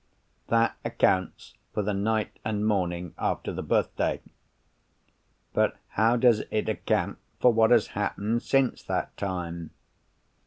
That accounts for the night and morning, after the birthday. But how does it account for what has happened since that time?